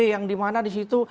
yang dimana disitu